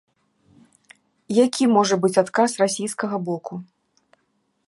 Які можа быць адказ расійскага боку?